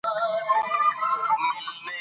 د مېلو فضا له خوښۍ ډکه او نه هېردونکې يي.